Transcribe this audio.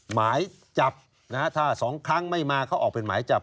หมายจับนะฮะถ้า๒ครั้งไม่มาเขาออกเป็นหมายจับ